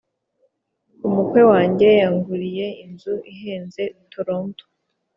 Umukwe wanjye yanguriye inzu ihenze tolonto